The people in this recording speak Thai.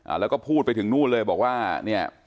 แล้วก็พูดไปถึงนู่นเลยบอกว่าเนี่ย